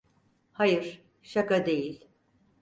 Hayır, şaka değil.